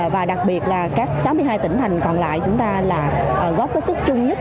và đặc biệt là các sáu mươi hai tỉnh thành còn lại chúng ta là góp cái sức chung nhất